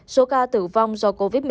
số ca tử vong do covid một mươi chín